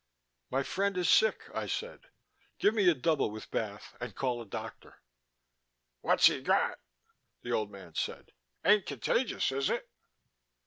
"My friend is sick," I said. "Give me a double with bath. And call a doctor." "What's he got?" the old man said. "Ain't contagious, is it?"